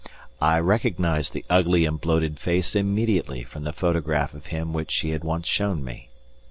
I recognized the ugly and bloated face immediately from the photograph of him which she had once shown me.